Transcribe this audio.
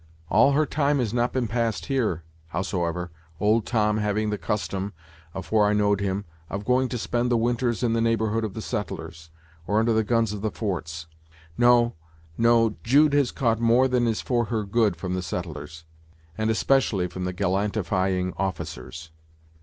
All her time has not been passed here, howsoever, old Tom having the custom, afore I know'd him, of going to spend the winters in the neighborhood of the settlers, or under the guns of the forts. No, no, Jude has caught more than is for her good from the settlers, and especially from the gallantifying officers."